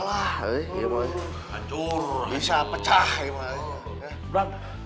alah ini mau hancur bisa pecah emangnya